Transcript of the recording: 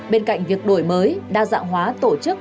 bên cạnh việc đổi mới đa dạng hóa tổ chức